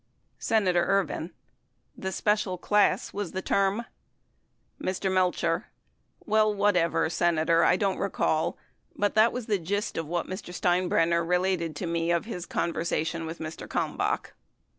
Senator Ervin. The special class was the term ? Mr. Melcher. Well, whatever, Senator. I don't recall. But that was the gist of what Mr. Steinbrenner related to me of his conversation with Mr. Kalmbach. Jjc * Mr. Mecher.